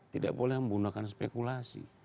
tidak boleh menggunakan spekulasi